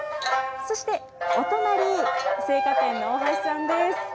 そして、お隣、青果店の大橋さんです。